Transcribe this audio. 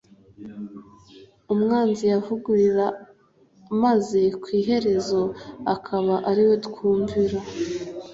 umwanzi yauvigariuira, maze ku iherezo akaba ariwe twumvira.